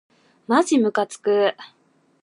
まじむかつく